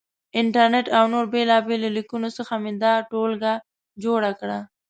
انټرنېټ او نورو بېلابېلو لیکنو څخه مې دا ټولګه جوړه کړه.